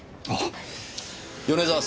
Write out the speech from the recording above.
米沢さん。